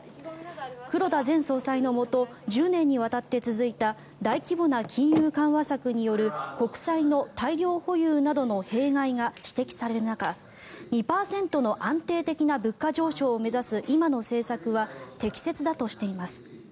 黒田前総裁のもと１０年にわたって続いた大規模な金融緩和策による国債の大量保有などの弊害が指摘される中２％の安定的な物価上昇を目指す今の政策は適切だとしています。